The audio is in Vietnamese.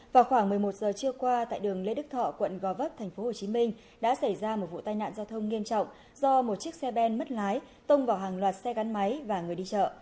vào khoảng một mươi một giờ trưa qua tại đường lê đức thọ quận gò vấp tp hcm đã xảy ra một vụ tai nạn giao thông nghiêm trọng do một chiếc xe ben mất lái tông vào hàng loạt xe gắn máy và người đi chợ